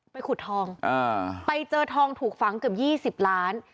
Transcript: ขุดทองไปเจอทองถูกฝังเกือบ๒๐ล้าน